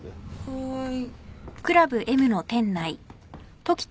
はい。